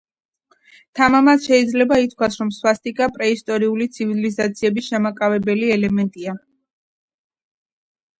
თამამად შეიძლება ითქვას, რომ სვასტიკა პრეისტორიული ცივილიზაციების შემაკავშირებელი ელემენტია.